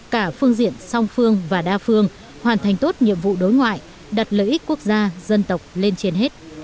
cả phương diện song phương và đa phương hoàn thành tốt nhiệm vụ đối ngoại đặt lợi ích quốc gia dân tộc lên trên hết